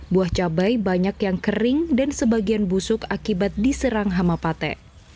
buah cabai banyak yang kering dan sebagian busuk akibat diserang hama pate